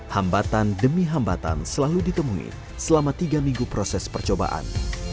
hambatan demi hambatan selalu ditemui selama tiga minggu proses percobaan